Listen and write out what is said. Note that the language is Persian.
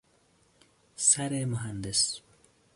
سر مهندس